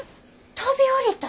飛び降りたん！？